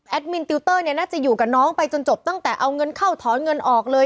มินติวเตอร์เนี่ยน่าจะอยู่กับน้องไปจนจบตั้งแต่เอาเงินเข้าถอนเงินออกเลย